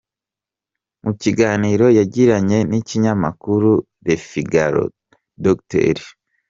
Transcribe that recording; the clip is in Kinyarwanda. Mu kiganiro yagiranye n’ikinyamakuru le Figaro, Dr.